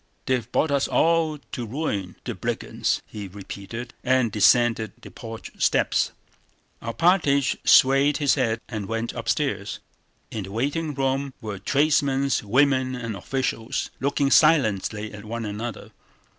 "They've brought us all to ruin... the brigands!" he repeated, and descended the porch steps. Alpátych swayed his head and went upstairs. In the waiting room were tradesmen, women, and officials, looking silently at one another.